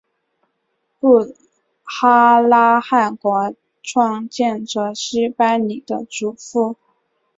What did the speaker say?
布哈拉汗国创建者昔班尼的祖父。